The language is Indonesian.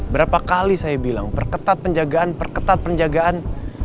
berapa kali saya bilang perketat penjagaan perketat penjagaan